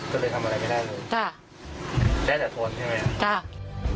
ก็เลยทำอะไรไม่ได้เลยจ้ะได้แต่ทนใช่ไหมจ้ะ